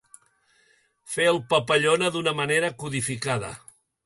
Fer el papallona d'una manera codificada.